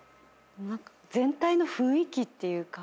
全体の雰囲気っていうか。